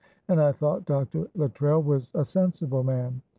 and I thought Dr. Luttrell was a sensible man.